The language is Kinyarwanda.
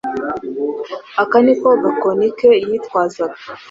aka niko gakoni ke yitwazaga,